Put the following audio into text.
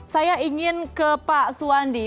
saya ingin ke pak suwandi